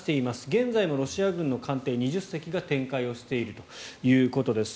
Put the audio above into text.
現在もロシア軍の艦艇２０隻が展開をしているということです。